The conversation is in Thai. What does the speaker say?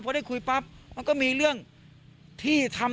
พอได้คุยปั๊บมันก็มีเรื่องที่ทำ